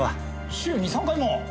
週２３回も！